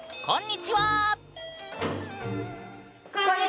こんにちは！